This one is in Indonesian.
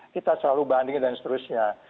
kita selalu bandingin dan seterusnya